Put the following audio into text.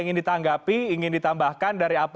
ingin ditanggapi ingin ditambahkan dari apa